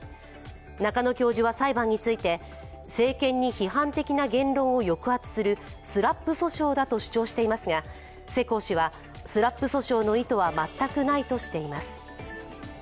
中野教授は裁判について、政権に批判的な言論を抑圧するスラップ訴訟だと主張していますが、世耕氏は、スラップ訴訟の意図は全くないとしています。